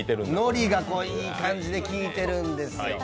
海苔がいい感じで効いてるんですよ。